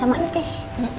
ya pulang yuk